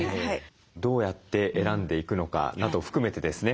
どうやって選んでいくのかなど含めてですね